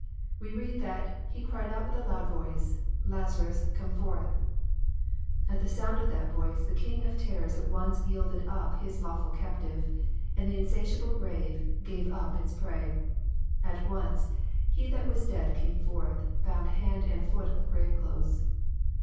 We read that " He cried with a loud voice, Lazarus, come forth !" At the sound of that voice, the king of terrors at once yielded up his lawful captive, and the insatiable grave gave up its prey. At once " He that was dead came forth, bound hand and foot with grave clothes.'